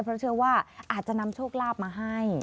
เพราะเชื่อว่าอาจจะนำโชคลาภมาให้